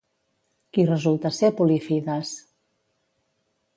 Qui resulta ser Polifides?